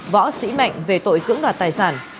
võ sĩ mạnh về tội cưỡng đoạt tài sản